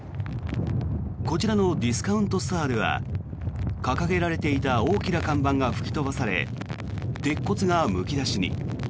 こちらのディスカウントストアでは掲げられていた大きな看板が吹き飛ばされ鉄骨がむき出しに。